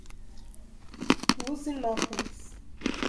Luzinópolis